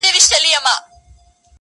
زه چي له خزان سره ژړېږم ته به نه ژاړې؛